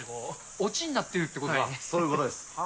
オチになってるっていうことそういうことです。